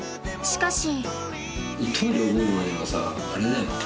しかし。